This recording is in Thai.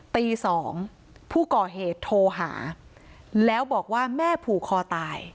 ตี๒ผู้ก่อเหตุโทรหาแล้วบอกว่าแม่ผูกคอตาย